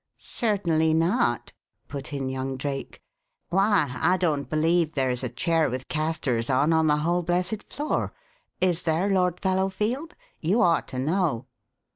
"Certainly not," put in young Drake. "Why, I don't believe there is a chair with casters on the whole blessed floor. Is there, Lord Fallowfield? You ought to know."